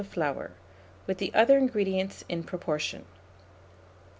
of flour, with the other ingredients in proportion.